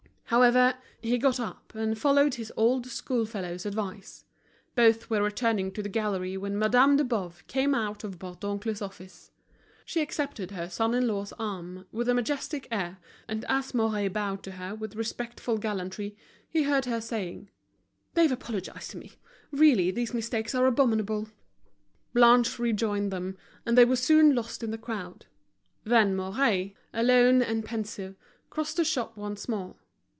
However, he got up, and followed his old school fellow's advice. Both were returning to the gallery when Madame de Boves came out of Bourdoncle's office. She accepted her son in law's arm with a majestic air, and as Mouret bowed to her with respectful gallantry, he heard her saying: "They've apologized to me. Really, these mistakes are abominable." Blanche rejoined them, and they were soon lost in the crowd. Then Mouret, alone and pensive, crossed the shop once more.